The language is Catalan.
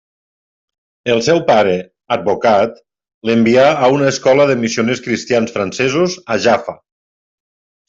El seu pare, advocat, l'envià a una escola de missioners cristians francesos a Jaffa.